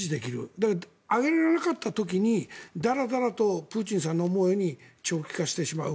だけど、上げられなかった時にだらだらとプーチンさんの思うように長期化してしまう。